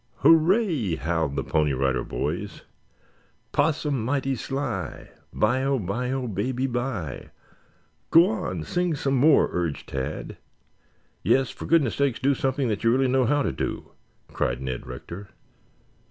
"Hooray!" howled the Pony Rider Boys. "''Possum mighty sly, Bye o, bye o, baby bye.'" "Go on. Sing some more," urged Tad. "Yes, for goodness' sake do something that you really know how to do," cried Ned Rector.